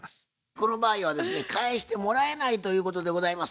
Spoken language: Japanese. この場合はですね返してもらえないということでございます。